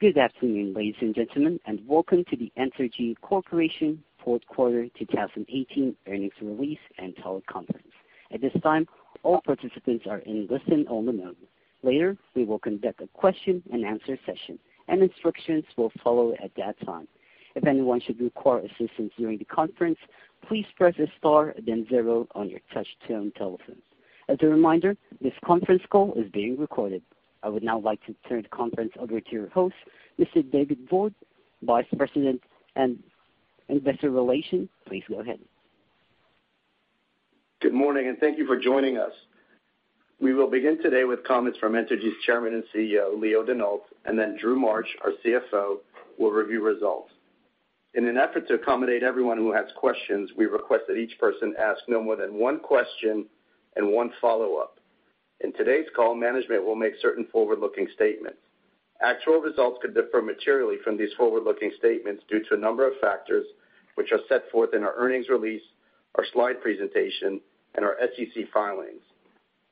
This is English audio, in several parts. Good afternoon, ladies and gentlemen, and welcome to the Entergy Corporation fourth quarter 2018 earnings release and teleconference. At this time, all participants are in listen-only mode. Later, we will conduct a question-and-answer session, and instructions will follow at that time. If anyone should require assistance during the conference, please press star then zero on your touchtone telephone. As a reminder, this conference call is being recorded. I would now like to turn the conference over to your host, Mr. David Borde, Vice President, Investor Relations. Please go ahead. Good morning. Thank you for joining us. We will begin today with comments from Entergy's Chairman and CEO, Leo Denault. Drew Marsh, our CFO, will review results. In an effort to accommodate everyone who has questions, we request that each person ask no more than one question and one follow-up. In today's call, management will make certain forward-looking statements. Actual results could differ materially from these forward-looking statements due to a number of factors which are set forth in our earnings release, our slide presentation, and our SEC filings.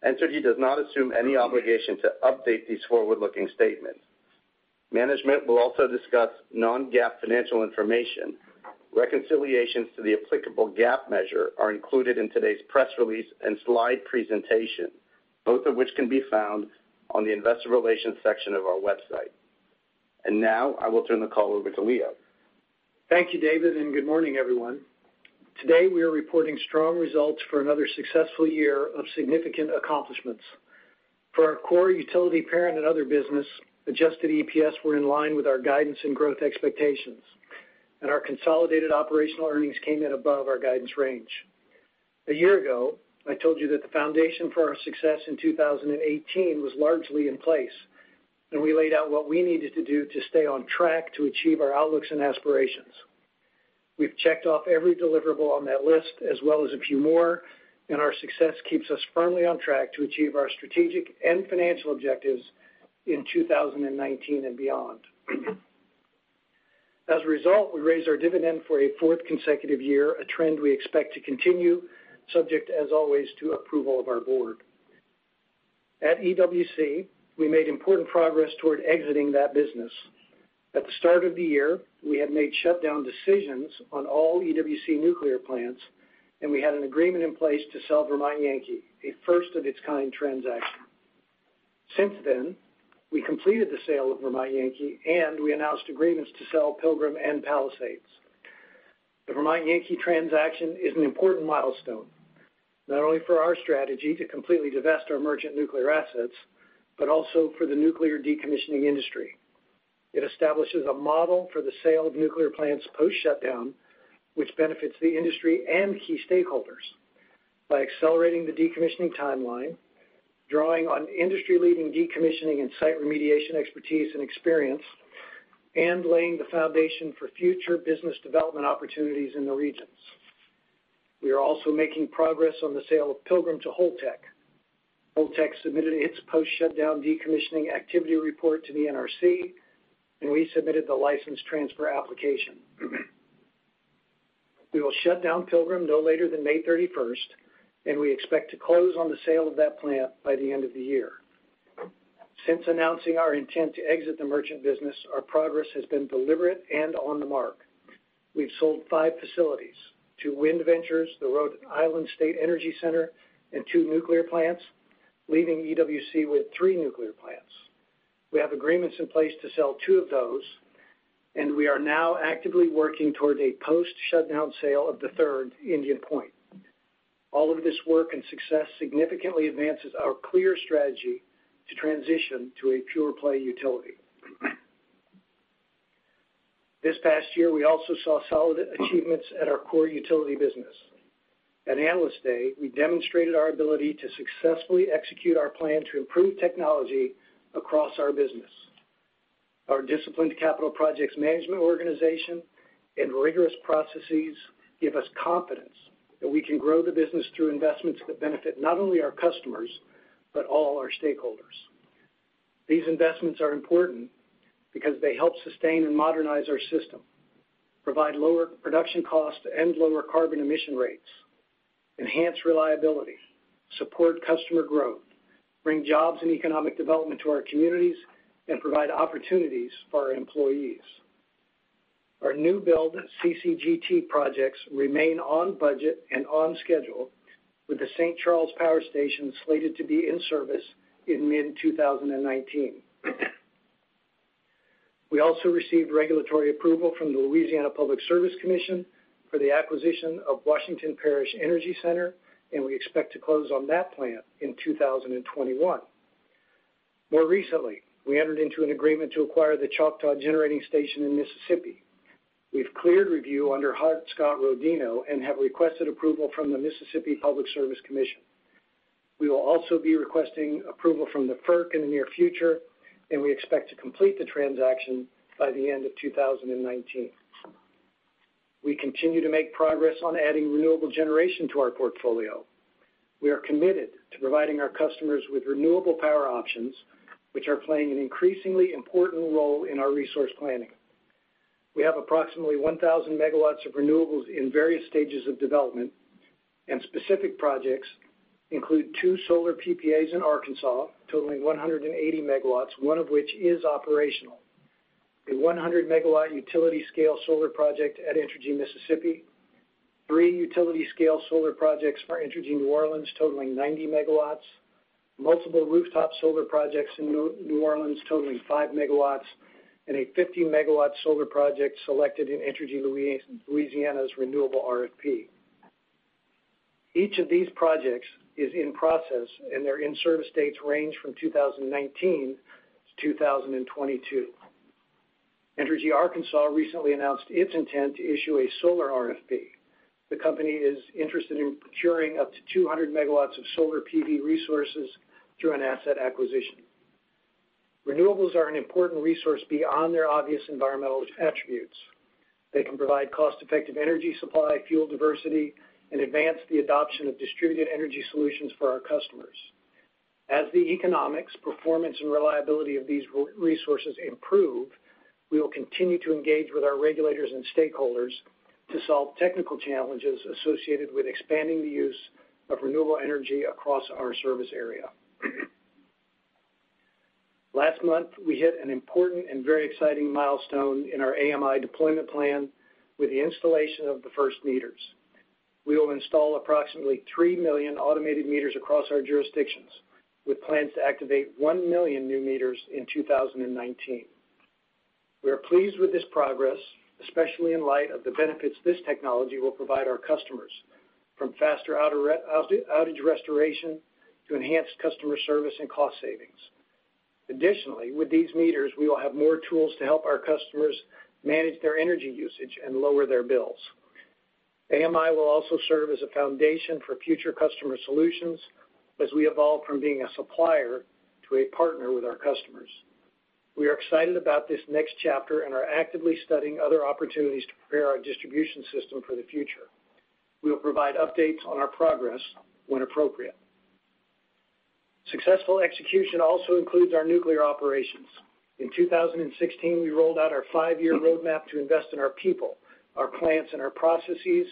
Entergy does not assume any obligation to update these forward-looking statements. Management will also discuss non-GAAP financial information. Reconciliations to the applicable GAAP measure are included in today's press release and slide presentation, both of which can be found on the Investor Relations section of our website. Now I will turn the call over to Leo. Thank you, David. Good morning, everyone. Today, we are reporting strong results for another successful year of significant accomplishments. For our core Utility, Parent & Other business, adjusted EPS were in line with our guidance and growth expectations. Our consolidated operational earnings came in above our guidance range. A year ago, I told you that the foundation for our success in 2018 was largely in place. We laid out what we needed to do to stay on track to achieve our outlooks and aspirations. We've checked off every deliverable on that list as well as a few more. Our success keeps us firmly on track to achieve our strategic and financial objectives in 2019 and beyond. As a result, we raised our dividend for a fourth consecutive year, a trend we expect to continue, subject as always to approval of our board. At EWC, we made important progress toward exiting that business. At the start of the year, we had made shutdown decisions on all EWC nuclear plants. We had an agreement in place to sell Vermont Yankee, a first-of-its-kind transaction. Since then, we completed the sale of Vermont Yankee. We announced agreements to sell Pilgrim and Palisades. The Vermont Yankee transaction is an important milestone, not only for our strategy to completely divest our merchant nuclear assets, but also for the nuclear decommissioning industry. It establishes a model for the sale of nuclear plants post-shutdown, which benefits the industry and key stakeholders by accelerating the decommissioning timeline, drawing on industry-leading decommissioning and site remediation expertise and experience, and laying the foundation for future business development opportunities in the regions. We are also making progress on the sale of Pilgrim to Holtec. Holtec submitted its post-shutdown decommissioning activity report to the NRC. We submitted the license transfer application. We will shut down Pilgrim no later than May 31st. We expect to close on the sale of that plant by the end of the year. Since announcing our intent to exit the merchant business, our progress has been deliberate and on the mark. We've sold five facilities, two wind ventures, the Rhode Island State Energy Center, and two nuclear plants, leaving EWC with three nuclear plants. We have agreements in place to sell two of those. We are now actively working toward a post-shutdown sale of the third, Indian Point. All of this work and success significantly advances our clear strategy to transition to a pure-play utility. This past year, we also saw solid achievements at our core utility business. At Analyst Day, we demonstrated our ability to successfully execute our plan to improve technology across our business. Our disciplined capital projects management organization and rigorous processes give us confidence that we can grow the business through investments that benefit not only our customers, but all our stakeholders. These investments are important because they help sustain and modernize our system, provide lower production costs and lower carbon emission rates, enhance reliability, support customer growth, bring jobs and economic development to our communities, and provide opportunities for our employees. Our new build CCGT projects remain on budget and on schedule with the St. Charles Power Station slated to be in service in mid-2019. We also received regulatory approval from the Louisiana Public Service Commission for the acquisition of Washington Parish Energy Center. We expect to close on that plant in 2021. More recently, we entered into an agreement to acquire the Choctaw Generating Station in Mississippi. We've cleared review under Hart-Scott-Rodino and have requested approval from the Mississippi Public Service Commission. We will also be requesting approval from the FERC in the near future. We expect to complete the transaction by the end of 2019. We continue to make progress on adding renewable generation to our portfolio. We are committed to providing our customers with renewable power options, which are playing an increasingly important role in our resource planning. We have approximately 1,000 megawatts of renewables in various stages of development. Specific projects include two solar PPAs in Arkansas totaling 180 megawatts, one of which is operational, a 100-megawatt utility scale solar project at Entergy Mississippi, 3 utility scale solar projects for Entergy New Orleans totaling 90 megawatts, multiple rooftop solar projects in New Orleans totaling 5 megawatts, and a 50-megawatt solar project selected in Entergy Louisiana's renewable RFP. Each of these projects is in process. Their in-service dates range from 2019 to 2022. Entergy Arkansas recently announced its intent to issue a solar RFP. The company is interested in procuring up to 200 megawatts of solar PV resources through an asset acquisition. Renewables are an important resource beyond their obvious environmental attributes. They can provide cost-effective energy supply, fuel diversity, and advance the adoption of distributed energy solutions for our customers. As the economics, performance, and reliability of these resources improve, we will continue to engage with our regulators and stakeholders to solve technical challenges associated with expanding the use of renewable energy across our service area. Last month, we hit an important and very exciting milestone in our AMI deployment plan with the installation of the first meters. We will install approximately 3 million automated meters across our jurisdictions, with plans to activate 1 million new meters in 2019. We are pleased with this progress, especially in light of the benefits this technology will provide our customers, from faster outage restoration to enhanced customer service and cost savings. Additionally, with these meters, we will have more tools to help our customers manage their energy usage and lower their bills. AMI will also serve as a foundation for future customer solutions as we evolve from being a supplier to a partner with our customers. We are excited about this next chapter and are actively studying other opportunities to prepare our distribution system for the future. We will provide updates on our progress when appropriate. Successful execution also includes our nuclear operations. In 2016, we rolled out our five-year roadmap to invest in our people, our plants, and our processes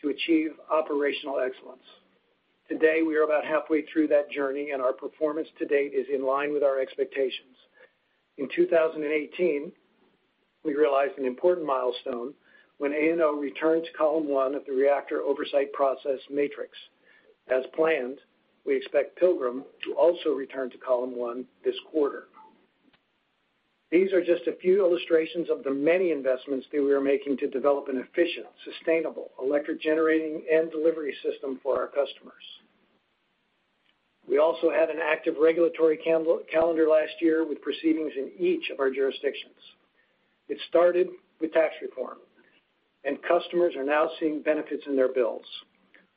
to achieve operational excellence. Today, we are about halfway through that journey, and our performance to date is in line with our expectations. In 2018, we realized an important milestone when ANO returned to column 1 of the Reactor Oversight Process matrix. As planned, we expect Pilgrim to also return to column 1 this quarter. These are just a few illustrations of the many investments that we are making to develop an efficient, sustainable electric generating and delivery system for our customers. We also had an active regulatory calendar last year with proceedings in each of our jurisdictions. It started with tax reform, and customers are now seeing benefits in their bills.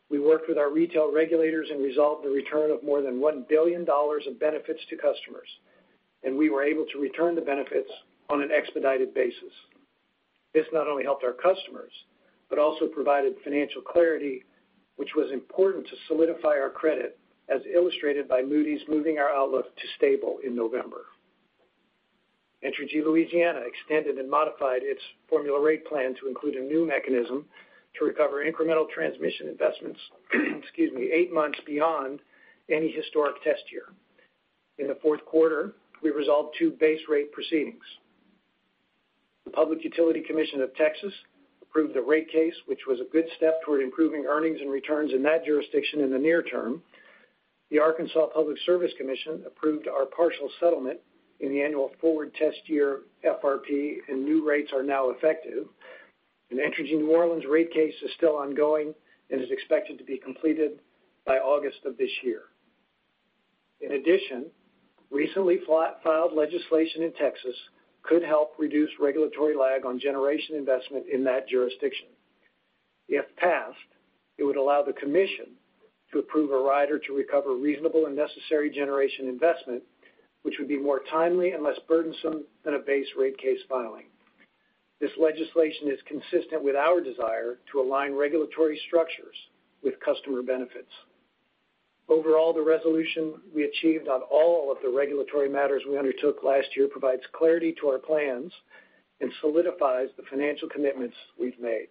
We worked with our retail regulators and resolved the return of more than $1 billion in benefits to customers, and we were able to return the benefits on an expedited basis. This not only helped our customers, but also provided financial clarity, which was important to solidify our credit, as illustrated by Moody's moving our outlook to stable in November. Entergy Louisiana extended and modified its formula rate plan to include a new mechanism to recover incremental transmission investments, eight months beyond any historic test year. In the fourth quarter, we resolved two base rate proceedings. The Public Utility Commission of Texas approved a rate case, which was a good step toward improving earnings and returns in that jurisdiction in the near term. The Arkansas Public Service Commission approved our partial settlement in the annual forward test year FRP, and new rates are now effective. An Entergy New Orleans rate case is still ongoing and is expected to be completed by August of this year. In addition, recently filed legislation in Texas could help reduce regulatory lag on generation investment in that jurisdiction. If passed, it would allow the commission to approve a rider to recover reasonable and necessary generation investment, which would be more timely and less burdensome than a base rate case filing. This legislation is consistent with our desire to align regulatory structures with customer benefits. Overall, the resolution we achieved on all of the regulatory matters we undertook last year provides clarity to our plans and solidifies the financial commitments we've made.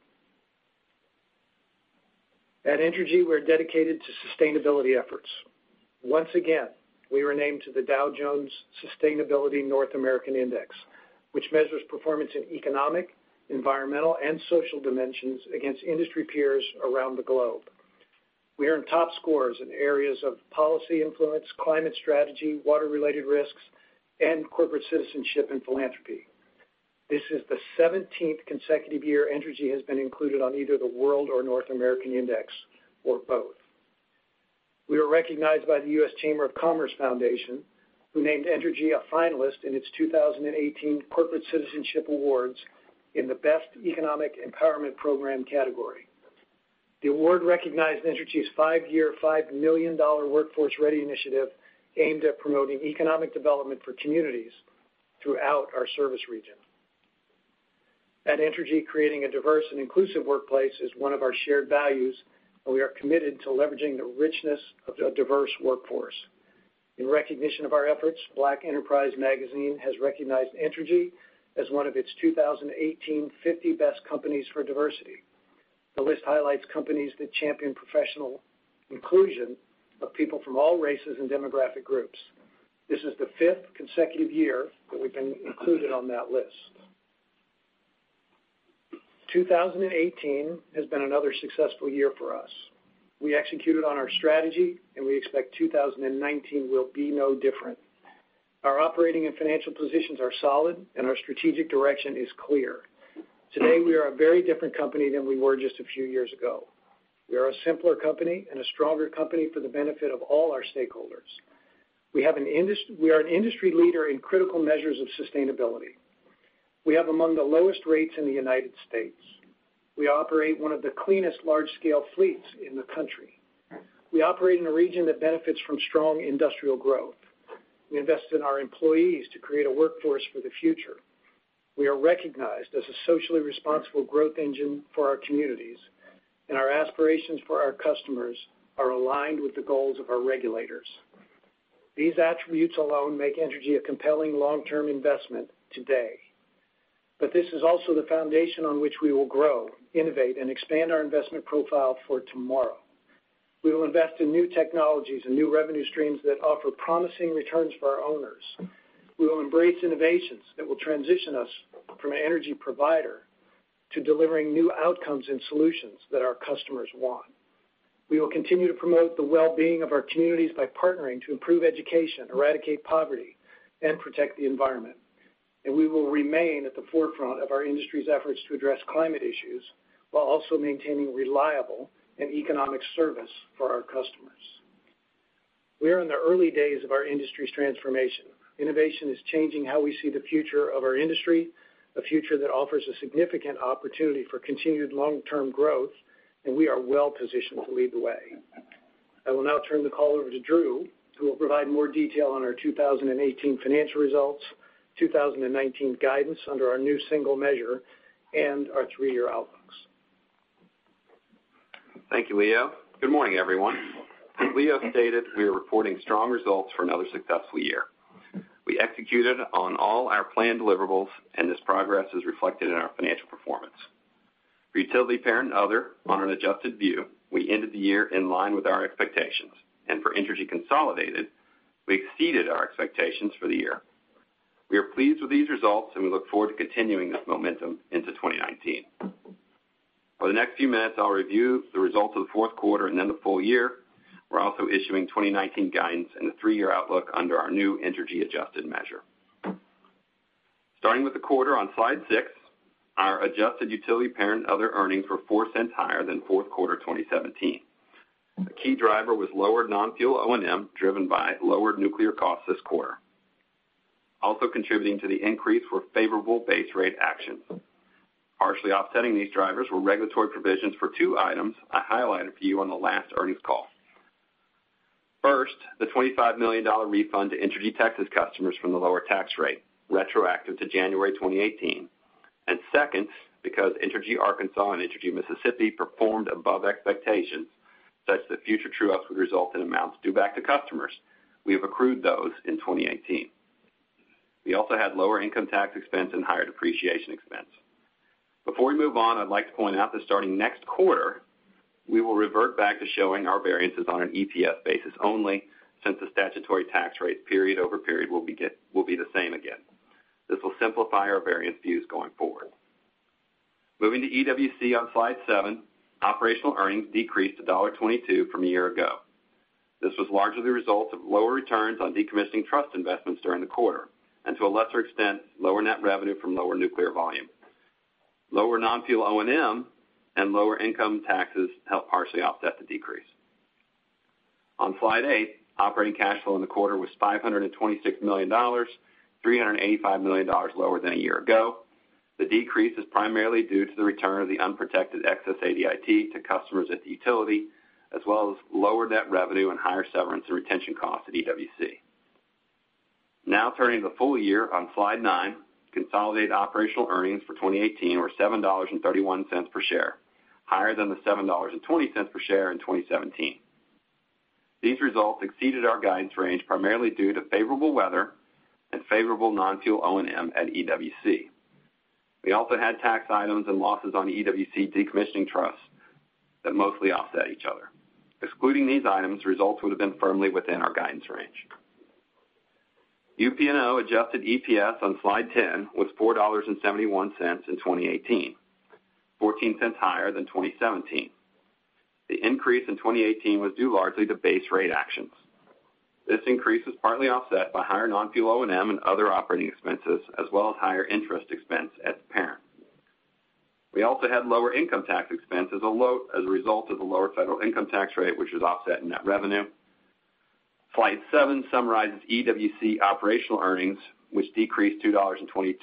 At Entergy, we're dedicated to sustainability efforts. Once again, we were named to the Dow Jones Sustainability North America Index, which measures performance in economic, environmental, and social dimensions against industry peers around the globe. We earn top scores in areas of policy influence, climate strategy, water-related risks, and corporate citizenship and philanthropy. This is the 17th consecutive year Entergy has been included on either the world or North America Index or both. We were recognized by the U.S. Chamber of Commerce Foundation, who named Entergy a finalist in its 2018 Corporate Citizenship Awards in the Best Economic Empowerment program category. The award recognized Entergy's five-year, $5 million Workforce Ready initiative aimed at promoting economic development for communities throughout our service region. At Entergy, creating a diverse and inclusive workplace is one of our shared values, and we are committed to leveraging the richness of a diverse workforce. In recognition of our efforts, Black Enterprise has recognized Entergy as one of its 2018 50 Best Companies for Diversity. The list highlights companies that champion professional inclusion of people from all races and demographic groups. This is the fifth consecutive year that we've been included on that list. 2018 has been another successful year for us. We executed on our strategy, and we expect 2019 will be no different. Our operating and financial positions are solid, and our strategic direction is clear. Today, we are a very different company than we were just a few years ago. We are a simpler company and a stronger company for the benefit of all our stakeholders. We are an industry leader in critical measures of sustainability. We have among the lowest rates in the United States. We operate one of the cleanest large-scale fleets in the country. We operate in a region that benefits from strong industrial growth. We invest in our employees to create a workforce for the future. We are recognized as a socially responsible growth engine for our communities, and our aspirations for our customers are aligned with the goals of our regulators. These attributes alone make Entergy a compelling long-term investment today. This is also the foundation on which we will grow, innovate, and expand our investment profile for tomorrow. We will invest in new technologies and new revenue streams that offer promising returns for our owners. We will embrace innovations that will transition us from an energy provider to delivering new outcomes and solutions that our customers want. We will continue to promote the well-being of our communities by partnering to improve education, eradicate poverty, and protect the environment. We will remain at the forefront of our industry's efforts to address climate issues while also maintaining reliable and economic service for our customers. We are in the early days of our industry's transformation. Innovation is changing how we see the future of our industry, a future that offers a significant opportunity for continued long-term growth, and we are well-positioned to lead the way. I will now turn the call over to Drew, who will provide more detail on our 2018 financial results, 2019 guidance under our new single measure, and our three-year outlooks. Thank you, Leo. Good morning, everyone. As Leo stated, we are reporting strong results for another successful year. We executed on all our planned deliverables, and this progress is reflected in our financial performance. Utility, Parent & Other, on an adjusted view, we ended the year in line with our expectations. For Entergy consolidated, we exceeded our expectations for the year. We are pleased with these results, and we look forward to continuing this momentum into 2019. For the next few minutes, I'll review the results of the fourth quarter and then the full year. We are also issuing 2019 guidance and the three-year outlook under our new Entergy adjusted measure. Starting with the quarter on slide six, our adjusted Utility, Parent & Other earnings were $0.04 higher than fourth quarter 2017. The key driver was lower non-fuel O&M, driven by lower nuclear costs this quarter. Also contributing to the increase were favorable base rate actions. Partially offsetting these drivers were regulatory provisions for two items I highlighted for you on the last earnings call. First, the $25 million refund to Entergy Texas customers from the lower tax rate, retroactive to January 2018. Second, because Entergy Arkansas and Entergy Mississippi performed above expectations, such that future true-ups would result in amounts due back to customers. We have accrued those in 2018. We also had lower income tax expense and higher depreciation expense. Before we move on, I'd like to point out that starting next quarter, we will revert back to showing our variances on an EPS basis only, since the statutory tax rate period over period will be the same again. This will simplify our variance views going forward. Moving to EWC on slide seven, operational earnings decreased to $1.22 from a year ago. This was largely the result of lower returns on decommissioning trust investments during the quarter, and to a lesser extent, lower net revenue from lower nuclear volume. Lower non-fuel O&M and lower income taxes helped partially offset the decrease. On slide eight, operating cash flow in the quarter was $526 million, $385 million lower than a year ago. The decrease is primarily due to the return of the unprotected excess ADIT to customers at the utility, as well as lower net revenue and higher severance and retention costs at EWC. Turning to the full year on slide nine, consolidated operational earnings for 2018 were $7.31 per share, higher than the $7.20 per share in 2017. These results exceeded our guidance range primarily due to favorable weather and favorable non-fuel O&M at EWC. We also had tax items and losses on EWC decommissioning trusts that mostly offset each other. Excluding these items, results would have been firmly within our guidance range. UPNO adjusted EPS on slide 10 was $4.71 in 2018, $0.14 higher than 2017. The increase in 2018 was due largely to base rate actions. This increase is partly offset by higher non-fuel O&M and other operating expenses, as well as higher interest expense at the parent. We also had lower income tax expense as a result of the lower federal income tax rate, which was offset in net revenue. Slide seven summarizes EWC operational earnings, which decreased $2.22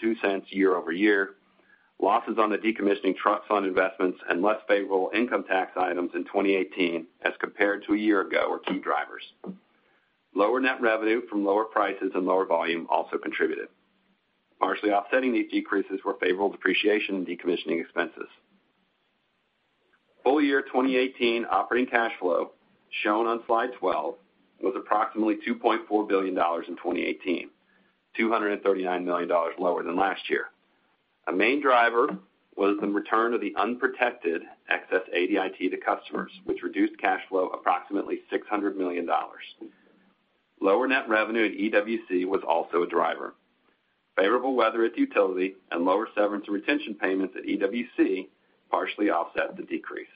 year-over-year. Losses on the decommissioning trust fund investments and less favorable income tax items in 2018 as compared to a year ago were key drivers. Lower net revenue from lower prices and lower volume also contributed. Partially offsetting these decreases were favorable depreciation and decommissioning expenses. Full year 2018 operating cash flow, shown on slide 12, was approximately $2.4 billion in 2018, $239 million lower than last year. A main driver was the return of the unprotected excess ADIT to customers, which reduced cash flow approximately $600 million. Lower net revenue at EWC was also a driver. Favorable weather at the utility and lower severance and retention payments at EWC partially offset the decrease.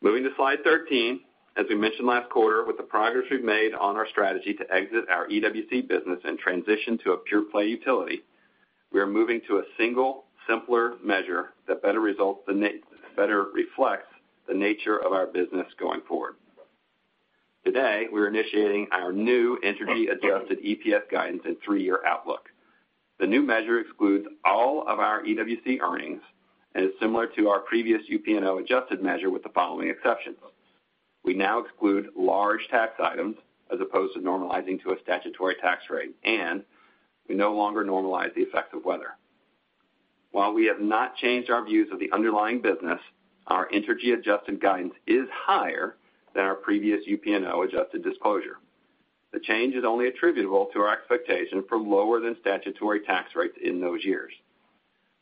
Moving to slide 13, as we mentioned last quarter, with the progress we've made on our strategy to exit our EWC business and transition to a pure-play utility, we are moving to a single, simpler measure that better reflects the nature of our business going forward. Today, we're initiating our new Entergy adjusted EPS guidance and three-year outlook. The new measure excludes all of our EWC earnings and is similar to our previous UPNO adjusted measure with the following exceptions. We now exclude large tax items as opposed to normalizing to a statutory tax rate, and we no longer normalize the effects of weather. While we have not changed our views of the underlying business, our Entergy adjusted guidance is higher than our previous UPNO-adjusted disclosure. The change is only attributable to our expectation for lower than statutory tax rates in those years.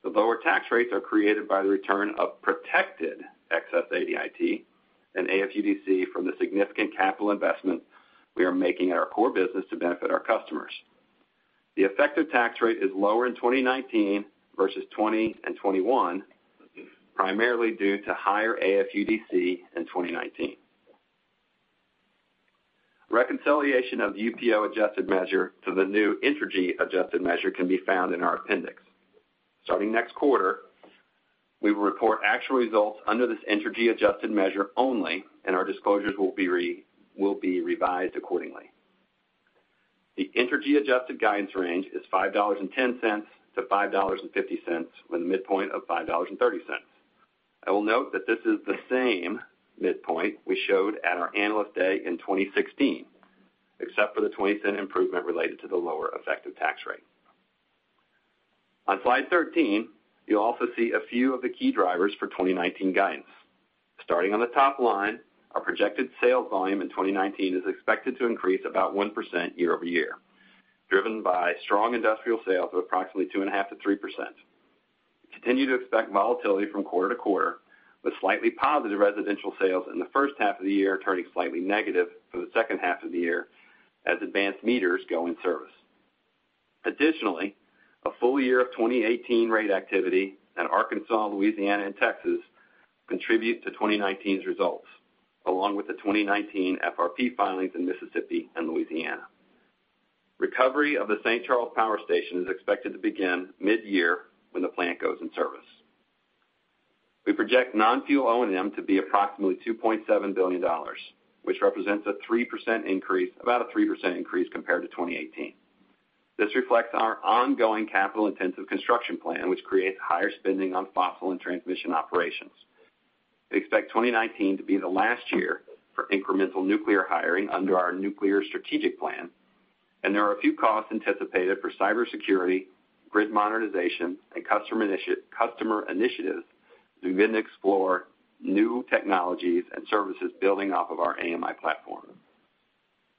The lower tax rates are created by the return of protected excess ADIT and AFUDC from the significant capital investment we are making at our core business to benefit our customers. The effective tax rate is lower in 2019 versus 2020 and 2021, primarily due to higher AFUDC in 2019. Reconciliation of the UPNO adjusted measure to the new Entergy adjusted measure can be found in our appendix. Starting next quarter, we will report actual results under this Entergy adjusted measure only, and our disclosures will be revised accordingly. The Entergy adjusted guidance range is $5.10-$5.50, with a midpoint of $5.30. I will note that this is the same midpoint we showed at our Analyst Day in 2016, except for the $0.20 improvement related to the lower effective tax rate. On slide 13, you'll also see a few of the key drivers for 2019 guidance. Starting on the top line, our projected sales volume in 2019 is expected to increase about 1% year-over-year, driven by strong industrial sales of approximately 2.5%-3%. We continue to expect volatility from quarter to quarter, with slightly positive residential sales in the first half of the year turning slightly negative for the second half of the year as advanced meters go in service. Additionally, a full year of 2018 rate activity at Arkansas, Louisiana, and Texas contribute to 2019's results, along with the 2019 FRP filings in Mississippi and Louisiana. Recovery of the St. Charles Power Station is expected to begin mid-year when the plant goes in service. We project non-fuel O&M to be approximately $2.7 billion, which represents about a 3% increase compared to 2018. This reflects our ongoing capital-intensive construction plan, which creates higher spending on fossil and transmission operations. We expect 2019 to be the last year for incremental nuclear hiring under our nuclear strategic plan. There are a few costs anticipated for cybersecurity, grid modernization, and customer initiatives to begin to explore new technologies and services building off of our AMI platform.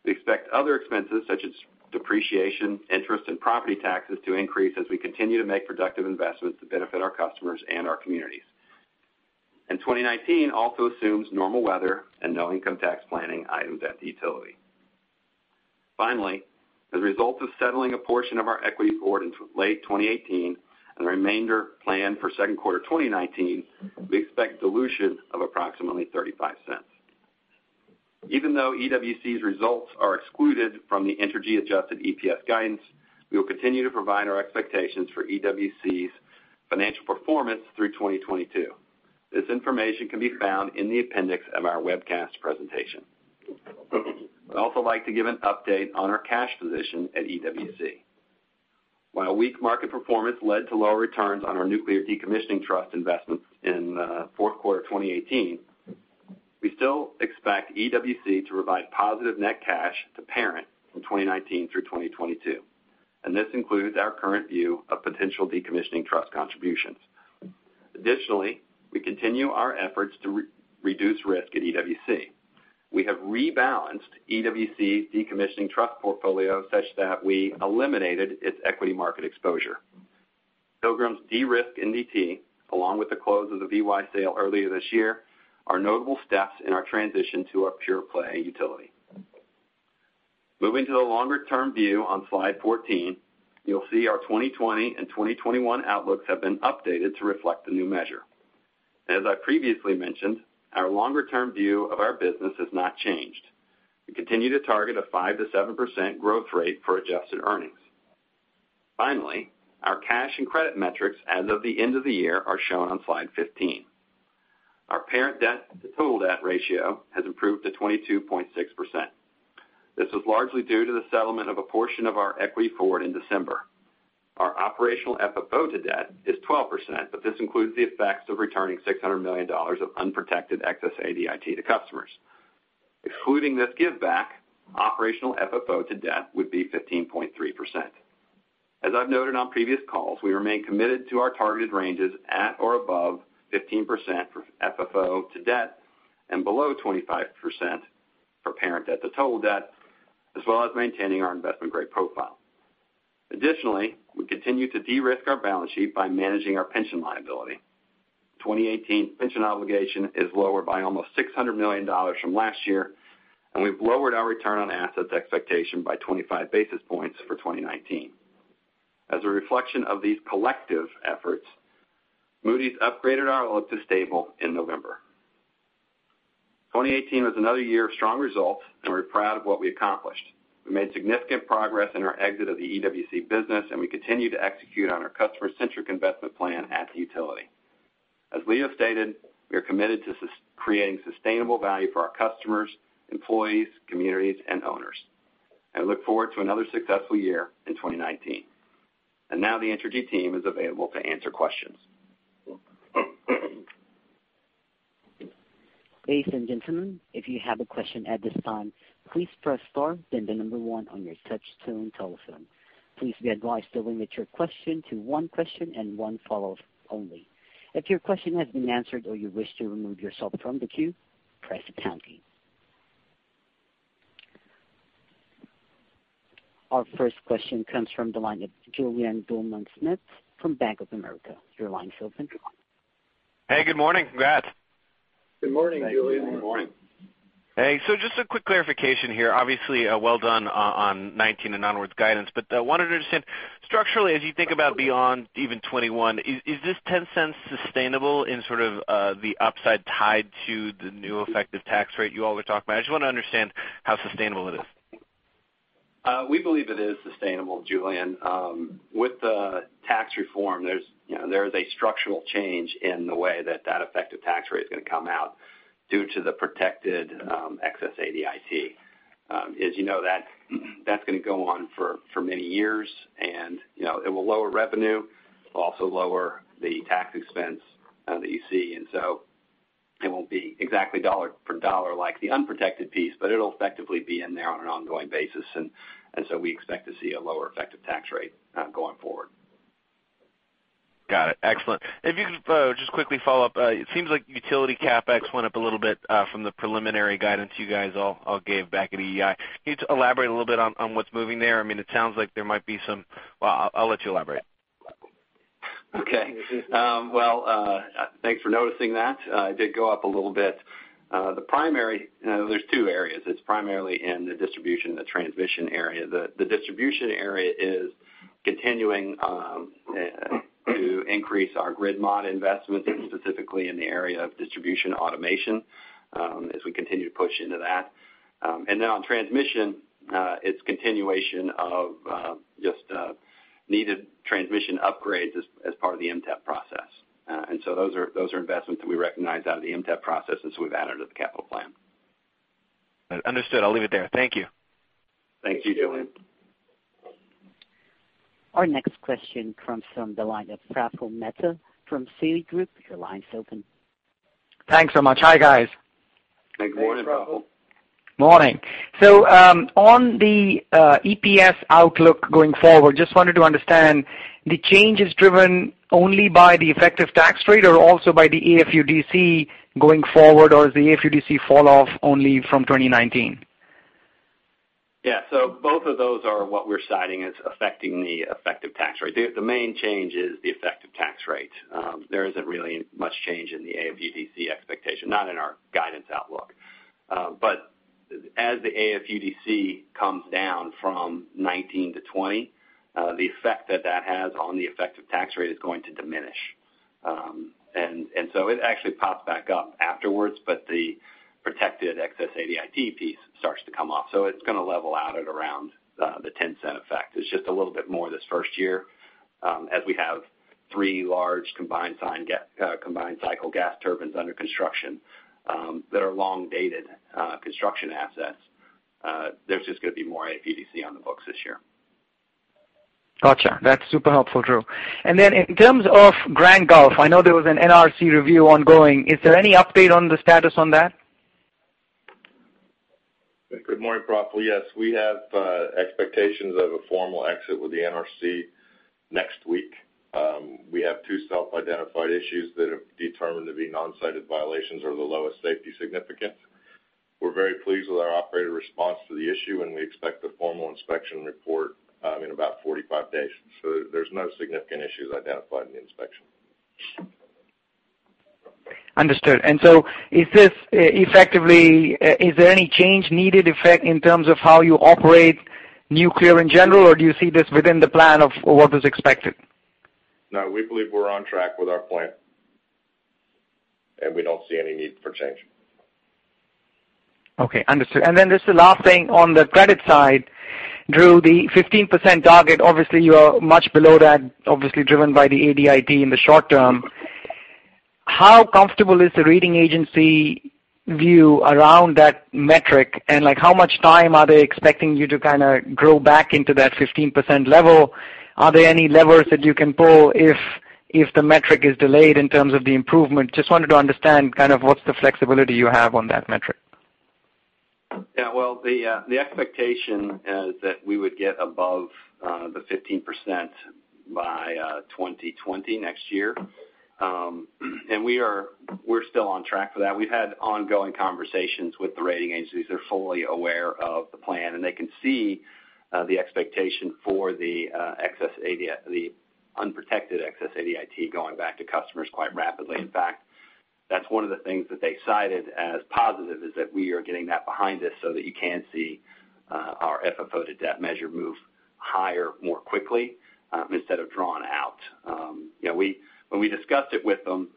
We expect other expenses such as depreciation, interest, and property taxes to increase as we continue to make productive investments that benefit our customers and our communities. 2019 also assumes normal weather and no income tax planning items at the utility. Finally, as a result of settling a portion of our equity forward in late 2018 and the remainder planned for second quarter 2019, we expect dilution of approximately $0.35. Even though EWC's results are excluded from the Entergy adjusted EPS guidance, we will continue to provide our expectations for EWC's financial performance through 2022. This information can be found in the appendix of our webcast presentation. I'd also like to give an update on our cash position at EWC. While weak market performance led to lower returns on our nuclear decommissioning trust investments in fourth quarter 2018, we still expect EWC to provide positive net cash to parent in 2019 through 2022. This includes our current view of potential decommissioning trust contributions. Additionally, we continue our efforts to reduce risk at EWC. We have rebalanced EWC's decommissioning trust portfolio such that we eliminated its equity market exposure. Pilgrim's de-risk NDT, along with the close of the VY sale earlier this year, are notable steps in our transition to a pure-play utility. Moving to the longer-term view on slide 14, you'll see our 2020 and 2021 outlooks have been updated to reflect the new measure. As I previously mentioned, our longer-term view of our business has not changed. We continue to target a 5%-7% growth rate for adjusted earnings. Finally, our cash and credit metrics as of the end of the year are shown on slide 15. Our parent debt-to-total debt ratio has improved to 22.6%. This is largely due to the settlement of a portion of our equity forward in December. Our operational FFO to debt is 12%, but this includes the effects of returning $600 million of unprotected excess ADIT to customers. Including this giveback, operational FFO to debt would be 15.3%. As I've noted on previous calls, we remain committed to our targeted ranges at or above 15% for FFO to debt and below 25% for parent debt to total debt, as well as maintaining our investment-grade profile. Additionally, we continue to de-risk our balance sheet by managing our pension liability. 2018 pension obligation is lower by almost $600 million from last year. We've lowered our return on assets expectation by 25 basis points for 2019. As a reflection of these collective efforts, Moody's upgraded our look to stable in November. 2018 was another year of strong results. We're proud of what we accomplished. We made significant progress in our exit of the EWC business. We continue to execute on our customer-centric investment plan at the utility. As Leo stated, we are committed to creating sustainable value for our customers, employees, communities, and owners. We look forward to another successful year in 2019. Now the Entergy team is available to answer questions. Ladies and gentlemen, if you have a question at this time, please press star then the number 1 on your touchtone telephone. Please be advised to limit your question to one question and one follow only. If your question has been answered or you wish to remove yourself from the queue, press pound key. Our first question comes from the line of Julien Dumoulin-Smith from Bank of America. Your line's open. Hey, good morning. Congrats. Good morning, Julien. Good morning. Hey. Just a quick clarification here. Obviously, well done on 2019 and onwards guidance, but I wanted to understand structurally, as you think about beyond even 2021, is this $0.10 sustainable in sort of the upside tied to the new effective tax rate you all were talking about? I just want to understand how sustainable it is. We believe it is sustainable, Julien. With the tax reform, there is a structural change in the way that effective tax rate is going to come out due to the protected excess ADIT. As you know, that's going to go on for many years and it will lower revenue, also lower the tax expense that you see. It won't be exactly dollar for dollar like the unprotected piece, but it'll effectively be in there on an ongoing basis. We expect to see a lower effective tax rate going forward. Got it. Excellent. If you could just quickly follow up. It seems like utility CapEx went up a little bit from the preliminary guidance you guys all gave back at EEI. Can you elaborate a little bit on what's moving there? It sounds like there might be some I'll let you elaborate. Okay. Thanks for noticing that. It did go up a little bit. There's two areas. It's primarily in the distribution and the transmission area. The distribution area is continuing to increase our grid mod investments, specifically in the area of distribution automation, as we continue to push into that. On transmission, it's continuation of just needed transmission upgrades as part of the MTEP process. Those are investments that we recognize out of the MTEP process, we've added to the capital plan. Understood. I'll leave it there. Thank you. Thank you, Julien. Our next question comes from the line of Praful Mehta from Citi. Your line's open. Thanks so much. Hi, guys. Good morning, Praful. Hey, Praful. Morning. On the EPS outlook going forward, just wanted to understand, the change is driven only by the effective tax rate or also by the AFUDC going forward, or does the AFUDC fall off only from 2019? Yeah. Both of those are what we're citing as affecting the effective tax rate. The main change is the effective tax rate. There isn't really much change in the AFUDC expectation, not in our guidance outlook. As the AFUDC comes down from 2019 to 2020, the effect that that has on the effective tax rate is going to diminish. It actually pops back up afterwards, but the protected excess ADIT piece starts to come off. It's going to level out at around the $0.10 effect. It's just a little bit more this first year, as we have three large combined-cycle gas turbines under construction that are long-dated construction assets. There's just going to be more AFUDC on the books this year. Got you. That's super helpful, Drew Marsh. In terms of Grand Gulf, I know there was an NRC review ongoing. Is there any update on the status on that? Good morning, Praful. Yes, we have expectations of a formal exit with the NRC next week. We have two self-identified issues that have determined to be non-cited violations or the lowest safety significance. We're very pleased with our operator response to the issue, and we expect the formal inspection report in about 45 days. There's no significant issues identified in the inspection. Understood. Is there any change needed effect in terms of how you operate nuclear in general, or do you see this within the plan of what was expected? No, we believe we're on track with our plan, and we don't see any need for change. Okay, understood. Just the last thing on the credit side, Drew, the 15% target, obviously you are much below that, obviously driven by the ADIT in the short term. How comfortable is the rating agency view around that metric, and how much time are they expecting you to kind of grow back into that 15% level? Are there any levers that you can pull if the metric is delayed in terms of the improvement, just wanted to understand what's the flexibility you have on that metric. Yeah. Well, the expectation is that we would get above the 15% by 2020, next year. We're still on track for that. We've had ongoing conversations with the rating agencies. They're fully aware of the plan, and they can see the expectation for the unprotected excess ADIT going back to customers quite rapidly. In fact, that's one of the things that they cited as positive, is that we are getting that behind us so that you can see our FFO to debt measure move higher more quickly, instead of drawn out. When we discussed it with them,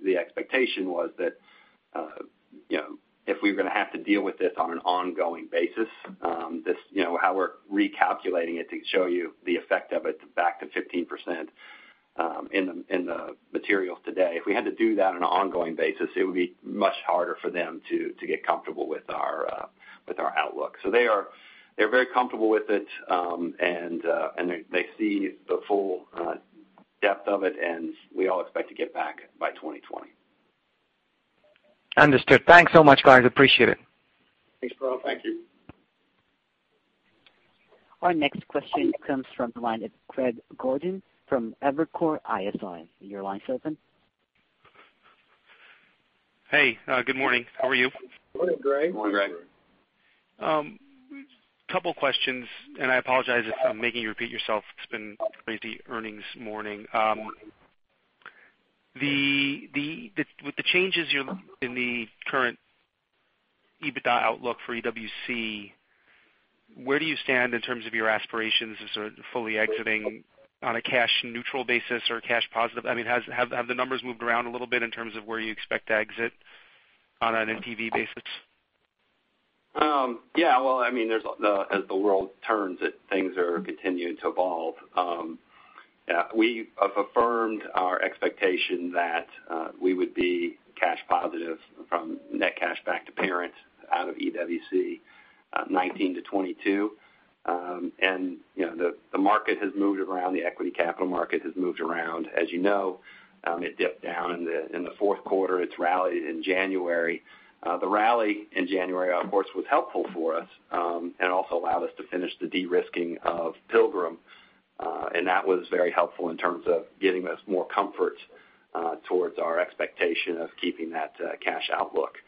the expectation was that if we were going to have to deal with this on an ongoing basis, how we're recalculating it to show you the effect of it back to 15% in the materials today. If we had to do that on an ongoing basis, it would be much harder for them to get comfortable with our outlook. They're very comfortable with it, and they see the full depth of it, and we all expect to get back by 2020. Understood. Thanks so much, guys. Appreciate it. Thanks, Praful. Thank you. Our next question comes from the line of Greg Gordon from Evercore ISI. Your line's open. Hey, good morning. How are you? Morning, Greg. Morning, Greg. Couple questions. I apologize if I'm making you repeat yourself. It's been a crazy earnings morning. With the changes in the current EBITDA outlook for EWC, where do you stand in terms of your aspirations as fully exiting on a cash neutral basis or cash positive? I mean, have the numbers moved around a little bit in terms of where you expect to exit on an NPV basis? Yeah. Well, as the world turns, things are continuing to evolve. We have affirmed our expectation that we would be cash positive from net cash back to parent out of EWC 2019 to 2022. The market has moved around, the equity capital market has moved around. As you know, it dipped down in the fourth quarter. It's rallied in January. The rally in January, of course, was helpful for us, and also allowed us to finish the de-risking of Pilgrim. That was very helpful in terms of giving us more comfort towards our expectation of keeping that cash outlook.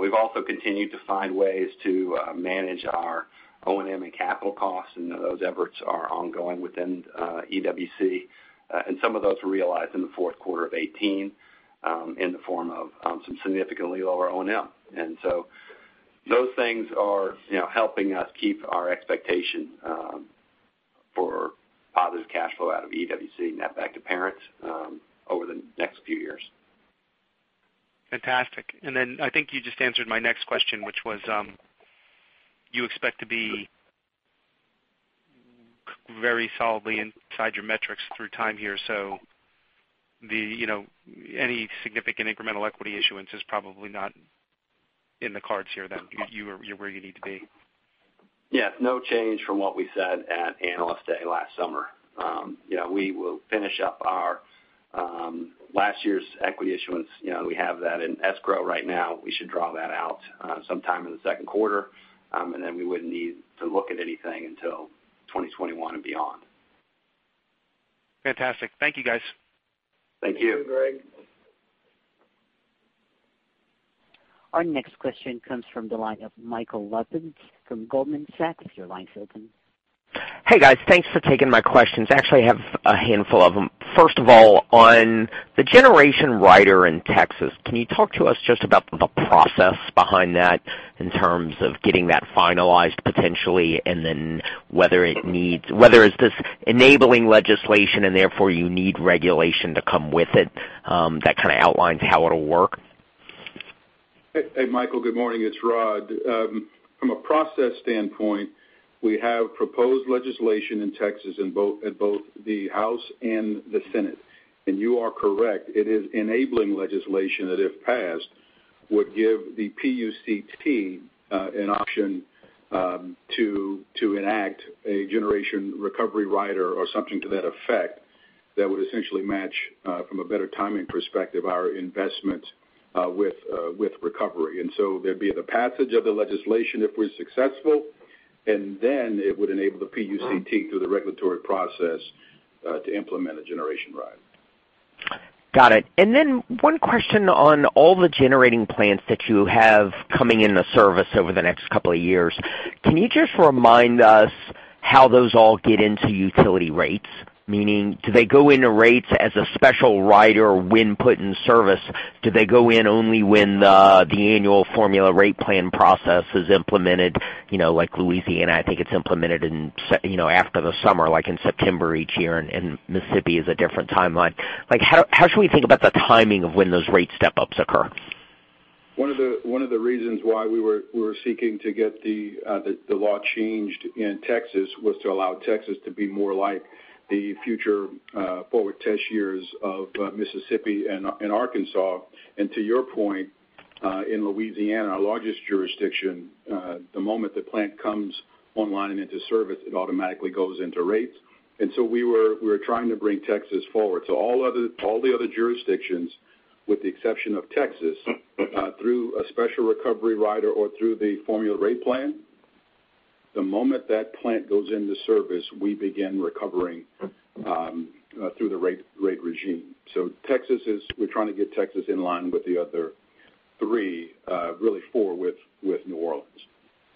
We've also continued to find ways to manage our O&M and capital costs, and those efforts are ongoing within EWC. Some of those were realized in the fourth quarter of 2018 in the form of some significantly lower O&M. Those things are helping us keep our expectation for positive cash flow out of EWC net back to parents over the next few years. Fantastic. I think you just answered my next question, which was, you expect to be very solidly inside your metrics through time here. Any significant incremental equity issuance is probably not in the cards here then. You're where you need to be. Yes. No change from what we said at Analyst Day last summer. We will finish up last year's equity issuance. We have that in escrow right now. We should draw that out sometime in the second quarter. We wouldn't need to look at anything until 2021 and beyond. Fantastic. Thank you guys. Thank you. Thank you, Greg. Our next question comes from the line of Michael Lapides from Goldman Sachs. Your line's open. Hey, guys. Thanks for taking my questions. Actually, I have a handful of them. First of all, on the generation rider in Texas, can you talk to us just about the process behind that in terms of getting that finalized potentially, and then whether it's this enabling legislation and therefore you need regulation to come with it that kind of outlines how it'll work? Hey, Michael, good morning. It's Rod. From a process standpoint, we have proposed legislation in Texas in both the House and the Senate. You are correct, it is enabling legislation that, if passed, would give the PUCT an option to enact a generation recovery rider or something to that effect that would essentially match, from a better timing perspective, our investment with recovery. There'd be the passage of the legislation if we're successful, then it would enable the PUCT through the regulatory process to implement a generation rider. Got it. One question on all the generating plants that you have coming into service over the next couple of years. Can you just remind us how those all get into utility rates? Meaning, do they go into rates as a special rider when put in service? Do they go in only when the annual formula rate plan process is implemented, like Louisiana, I think it's implemented after the summer, like in September each year, and Mississippi is a different timeline. How should we think about the timing of when those rate step-ups occur? One of the reasons why we were seeking to get the law changed in Texas was to allow Texas to be more like the future forward test years of Mississippi and Arkansas. To your point. In Louisiana, our largest jurisdiction, the moment the plant comes online and into service, it automatically goes into rates. We were trying to bring Texas forward. All the other jurisdictions, with the exception of Texas, through a special recovery rider or through the formula rate plan, the moment that plant goes into service, we begin recovering through the rate regime. We're trying to get Texas in line with the other three, really four, with New Orleans.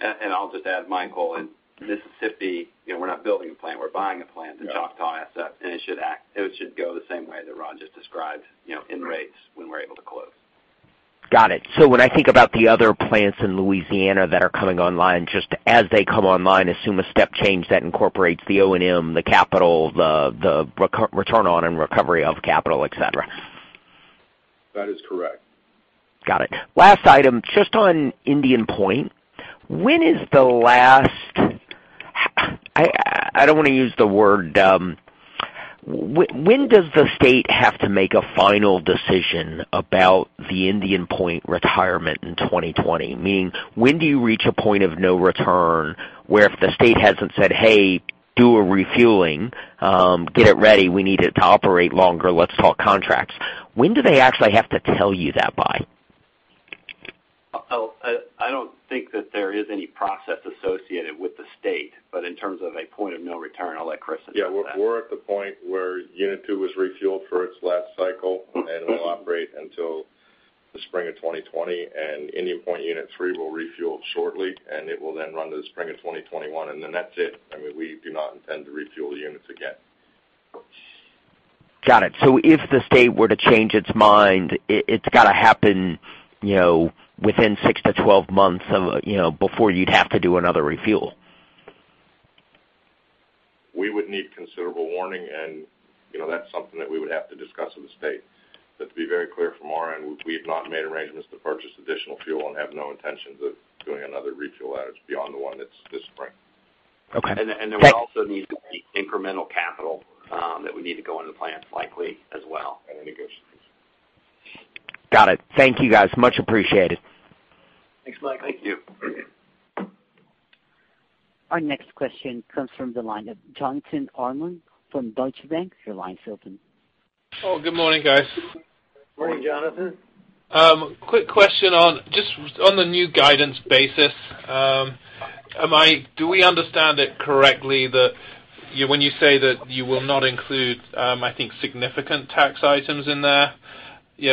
I'll just add, Michael, in Mississippi, we're not building a plant, we're buying a plant, the Choctaw asset. It should go the same way that Rod just described, in rates when we're able to close. Got it. When I think about the other plants in Louisiana that are coming online, just as they come online, assume a step change that incorporates the O&M, the capital, the return on and recovery of capital, et cetera. That is correct. Got it. Last item, just on Indian Point. When does the state have to make a final decision about the Indian Point retirement in 2020? Meaning, when do you reach a point of no return where if the state hasn't said, "Hey, do a refueling. Get it ready. We need it to operate longer. Let's talk contracts." When do they actually have to tell you that by? I don't think that there is any process associated with the state, but in terms of a point of no return, I'll let Chris answer that. Yeah. We're at the point where Unit 2 was refueled for its last cycle, and it'll operate until the spring of 2020. Indian Point Unit 3 will refuel shortly, and it will then run to the spring of 2021, and then that's it. I mean, we do not intend to refuel the units again. Got it. If the state were to change its mind, it's got to happen within six to 12 months before you'd have to do another refuel. We would need considerable warning, and that's something that we would have to discuss with the state. To be very clear from our end, we have not made arrangements to purchase additional fuel and have no intentions of doing another refuel outage beyond the one that's this spring. Okay. There also needs to be incremental capital that would need to go into the plants likely as well. Negotiations. Got it. Thank you, guys. Much appreciated. Thanks, Mike. Thank you. Our next question comes from the line of Jonathan Arnold from Deutsche Bank. Your line is open. Oh, good morning, guys. Morning, Jonathan. Quick question on just on the new guidance basis. Do we understand it correctly that when you say that you will not include, I think, significant tax items in there? Do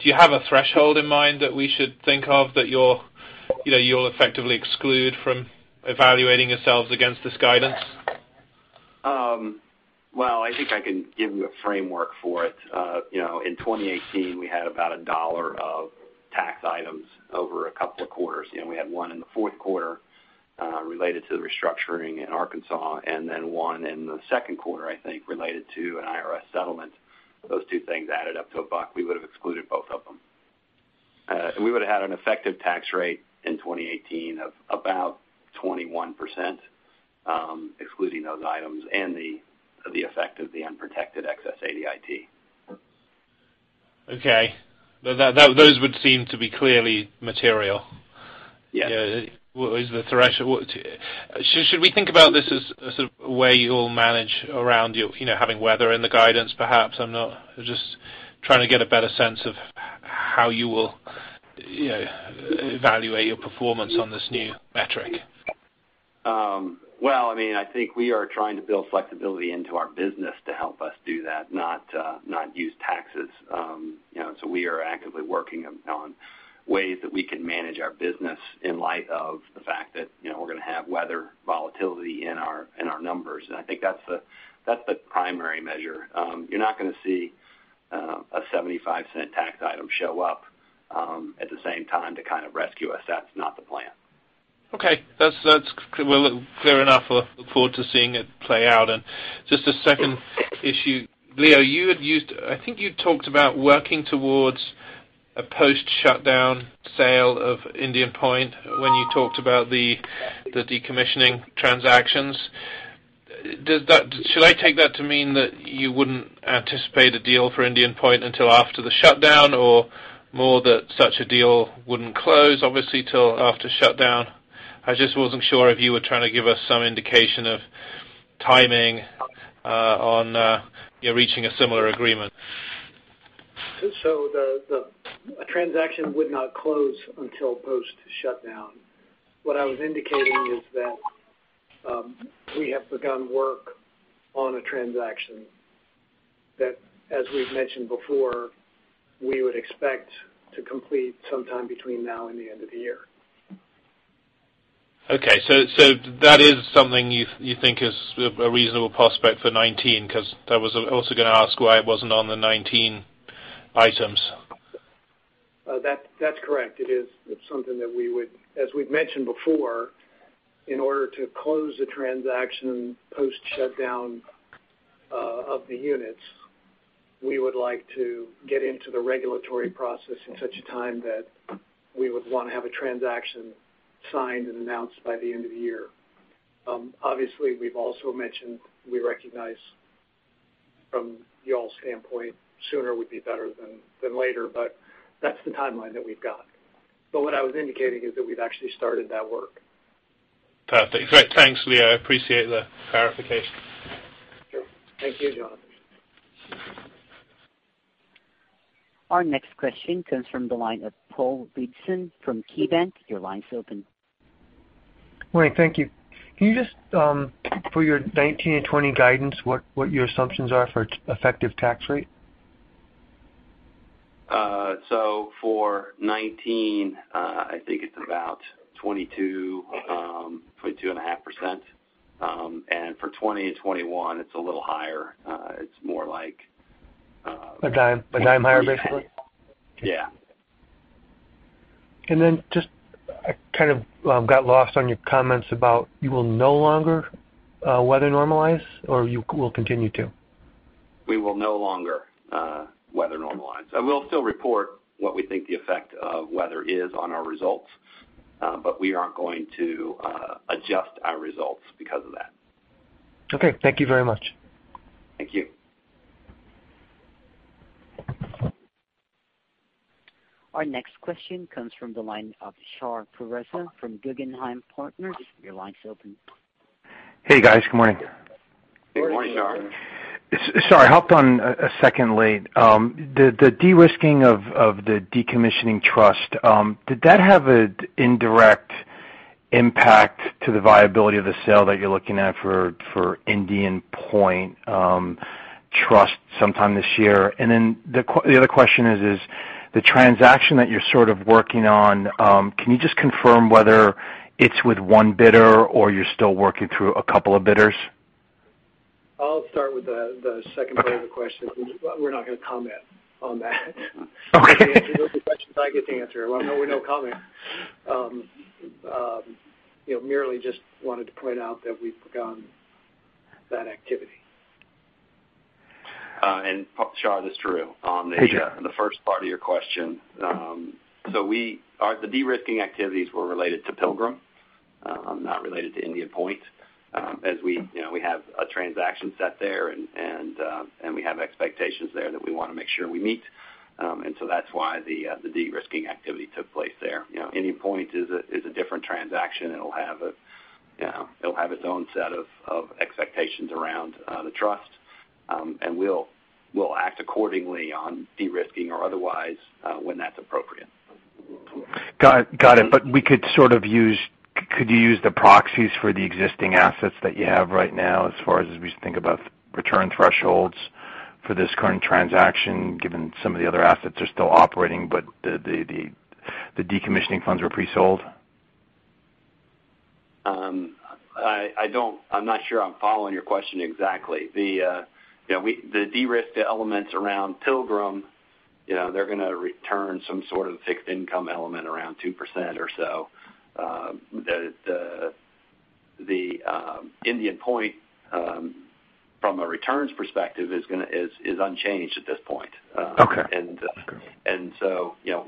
you have a threshold in mind that we should think of that you'll effectively exclude from evaluating yourselves against this guidance? Well, I think I can give you a framework for it. In 2018, we had about $1 of tax items over a couple of quarters. We had one in the fourth quarter, related to the restructuring in Arkansas, and then one in the second quarter, I think, related to an IRS settlement. Those two things added up to $1. We would've excluded both of them. We would've had an effective tax rate in 2018 of about 21%, excluding those items and the effect of the unprotected excess ADIT. Okay. Those would seem to be clearly material. Yes. Should we think about this as a way you'll manage around having weather in the guidance, perhaps? I'm just trying to get a better sense of how you will evaluate your performance on this new metric. Well, I think we are trying to build flexibility into our business to help us do that, not use taxes. We are actively working on ways that we can manage our business in light of the fact that we're going to have weather volatility in our numbers. I think that's the primary measure. You're not going to see a $0.75 tax item show up at the same time to kind of rescue us. That's not the plan. Okay. That's clear enough. I look forward to seeing it play out. Just a second issue. Leo, I think you talked about working towards a post-shutdown sale of Indian Point when you talked about the decommissioning transactions. Should I take that to mean that you wouldn't anticipate a deal for Indian Point until after the shutdown or more that such a deal wouldn't close obviously till after shutdown? I just wasn't sure if you were trying to give us some indication of timing on reaching a similar agreement. The transaction would not close until post-shutdown. What I was indicating is that we have begun work on a transaction that, as we've mentioned before, we would expect to complete sometime between now and the end of the year. Okay. That is something you think is a reasonable prospect for 2019? Because I was also going to ask why it wasn't on the 2019 items. That's correct. It is. It's something that we would, as we've mentioned before, in order to close the transaction post-shutdown of the units, we would like to get into the regulatory process in such a time that we would want to have a transaction signed and announced by the end of the year. Obviously, we've also mentioned we recognize from you all's standpoint, sooner would be better than later, but that's the timeline that we've got. What I was indicating is that we've actually started that work. Perfect. Great. Thanks, Leo. I appreciate the clarification. Sure. Thank you, Jonathan. Our next question comes from the line of Paul Mehtafrom KeyBanc. Your line's open. Morning. Thank you. Can you just, for your 2019 and 2020 guidance, what your assumptions are for effective tax rate? For 2019, I think it's about 22%, 22.5%. For 2020 and 2021, it's a little higher. $0.10 higher, basically? Yeah. Then just, I kind of got lost on your comments about you will no longer weather normalize or you will continue to? We will no longer weather normalize. We'll still report what we think the effect of weather is on our results. We aren't going to adjust our results because of that. Okay. Thank you very much. Thank you. Our next question comes from the line of Shahriar Pourreza from Guggenheim Partners. Your line's open. Hey, guys. Good morning. Good morning, Shar. Sorry, hopped on a second late. The de-risking of the decommissioning trust, did that have an indirect impact to the viability of the sale that you're looking at for Indian Point trust sometime this year? The other question is, the transaction that you're sort of working on, can you just confirm whether it's with one bidder or you're still working through a couple of bidders? I'll start with the second part of the question. We're not gonna comment on that. Okay. Those are questions I get to answer. Well, no, we're no comment. Merely just wanted to point out that we've begun that activity. Shar, this is Drew. Hey. On the first part of your question. The de-risking activities were related to Pilgrim, not related to Indian Point. As we have a transaction set there, and we have expectations there that we want to make sure we meet. That's why the de-risking activity took place there. Indian Point is a different transaction. It'll have its own set of expectations around the trust. We'll act accordingly on de-risking or otherwise, when that's appropriate. Got it. Could you use the proxies for the existing assets that you have right now as far as we think about return thresholds for this current transaction, given some of the other assets are still operating, but the decommissioning funds were pre-sold? I'm not sure I'm following your question exactly. The de-risk elements around Pilgrim, they're gonna return some sort of fixed income element around 2% or so. The Indian Point, from a returns perspective, is unchanged at this point. Okay.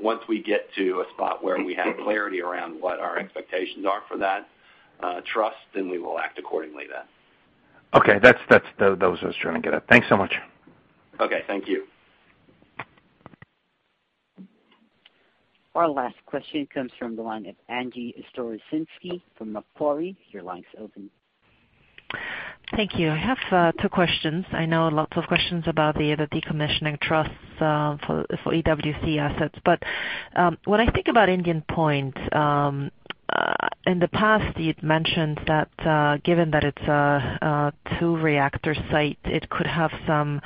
Once we get to a spot where we have clarity around what our expectations are for that trust, we will act accordingly. Okay. That's what I was trying to get at. Thanks so much. Okay. Thank you. Our last question comes from the line of Angie Storozynski from Macquarie. Your line's open. Thank you. I have two questions. I know lots of questions about the decommissioning trusts for EWC assets. When I think about Indian Point, in the past you'd mentioned that, given that it's a two-reactor site, it could have some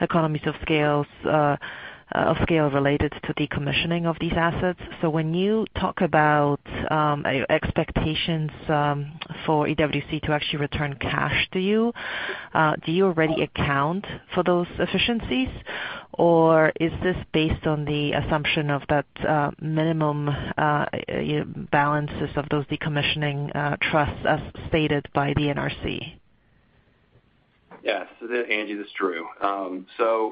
economies of scale related to decommissioning of these assets. When you talk about expectations for EWC to actually return cash to you, do you already account for those efficiencies, or is this based on the assumption of that minimum balances of those decommissioning trusts as stated by the NRC? Yes. Angie, this is Drew.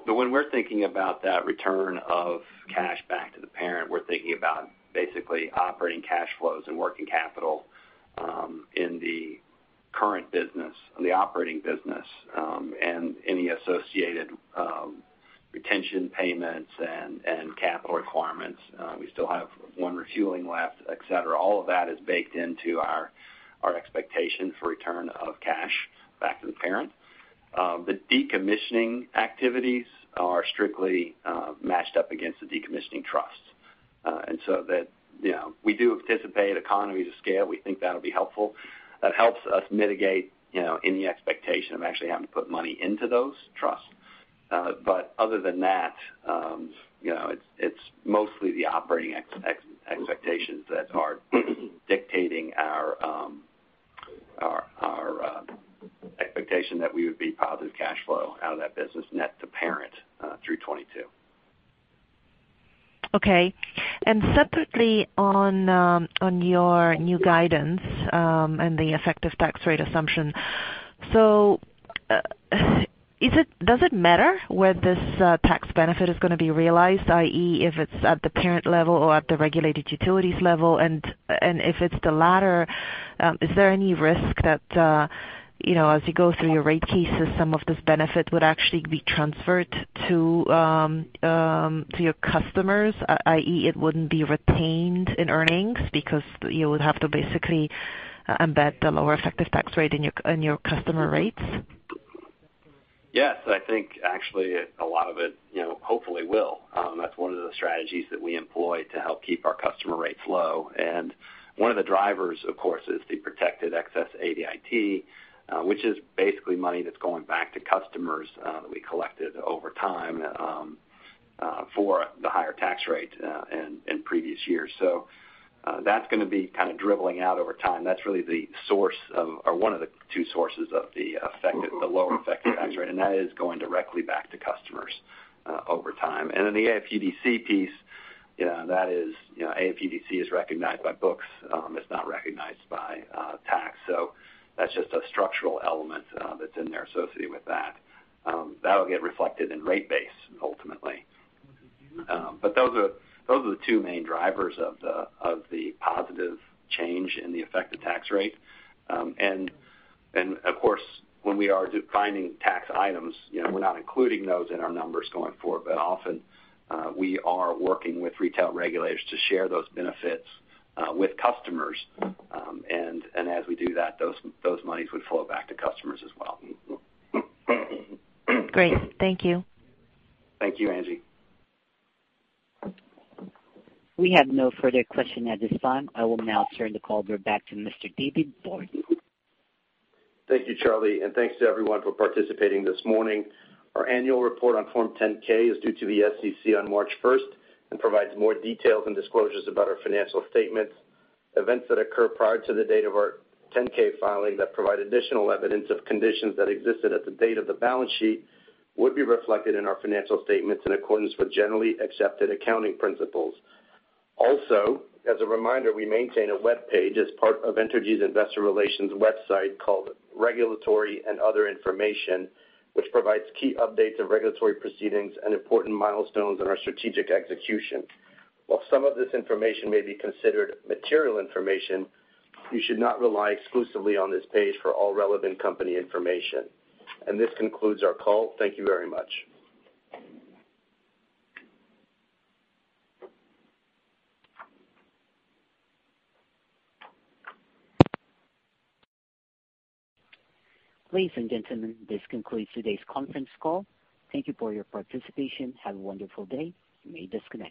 When we're thinking about that return of cash back to the parent, we're thinking about basically operating cash flows and working capital in the current business, the operating business, and any associated retention payments and capital requirements. We still have one refueling left, et cetera. All of that is baked into our expectation for return of cash back to the parent. The decommissioning activities are strictly matched up against the decommissioning trust. We do anticipate economies of scale. We think that'll be helpful. That helps us mitigate any expectation of actually having to put money into those trusts. Other than that, it's mostly the operating expectations that are dictating our expectation that we would be positive cash flow out of that business net to parent through 2022. Okay. Separately on your new guidance, and the effective tax rate assumption. Does it matter where this tax benefit is going to be realized, i.e., if it's at the parent level or at the regulated utilities level? If it's the latter, is there any risk that as you go through your rate cases, some of this benefit would actually be transferred to your customers, i.e., it wouldn't be retained in earnings because you would have to basically embed the lower effective tax rate in your customer rates? Yes, I think actually a lot of it hopefully will. That's one of the strategies that we employ to help keep our customer rates low. One of the drivers, of course, is the protected excess ADIT, which is basically money that's going back to customers that we collected over time for the higher tax rate in previous years. That's going to be kind of dribbling out over time. That's really the source of, or one of the two sources of the lower effective tax rate, and that is going directly back to customers over time. The AFUDC piece, AFUDC is recognized by books. It's not recognized by tax. That's just a structural element that's in there associated with that. That'll get reflected in rate base ultimately. Those are the two main drivers of the positive change in the effective tax rate. Of course, when we are defining tax items, we're not including those in our numbers going forward, but often we are working with retail regulators to share those benefits with customers. As we do that, those monies would flow back to customers as well. Great. Thank you. Thank you, Angie. We have no further question at this time. I will now turn the call over back to Mr. David Borde. Thank you, Charlie, and thanks to everyone for participating this morning. Our annual report on Form 10-K is due to the SEC on March 1st and provides more details and disclosures about our financial statements. Events that occur prior to the date of our 10-K filing that provide additional evidence of conditions that existed at the date of the balance sheet would be reflected in our financial statements in accordance with generally accepted accounting principles. Also, as a reminder, we maintain a webpage as part of Entergy's investor relations website called Regulatory and Other Information, which provides key updates of regulatory proceedings and important milestones in our strategic execution. While some of this information may be considered material information, you should not rely exclusively on this page for all relevant company information. This concludes our call. Thank you very much. Ladies and gentlemen, this concludes today's conference call. Thank you for your participation. Have a wonderful day. You may disconnect.